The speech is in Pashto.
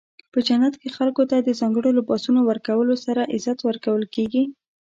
په جنت کې خلکو ته د ځانګړو لباسونو ورکولو سره عزت ورکول کیږي.